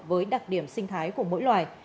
với đặc điểm sinh thái của mỗi loài